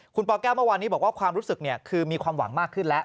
คุณปแก้วเมื่อวานนี้บอกว่าความรู้สึกคือมีความหวังมากขึ้นแล้ว